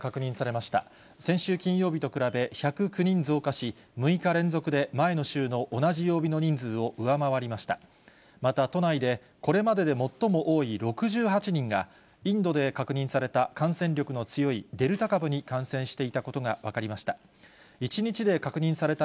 また、都内でこれまでで最も多い６８人が、インドで確認された、感染力の強いデルタ株に感染していたことが分かりました。